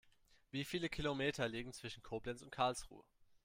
Wie viele Kilometer liegen zwischen Koblenz und Karlsruhe?